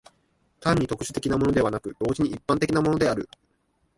単に特殊的なものでなく、同時に一般的なものである。